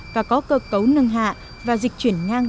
và có cơ cấu xếp hình